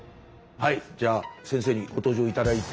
はいじゃあ先生にご登場頂いて。